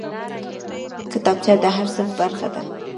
کتابچه د هر صنف برخه ده